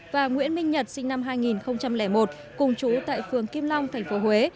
và nguyễn minh nhật sinh năm hai nghìn một cùng chú tại phường kim long tp huế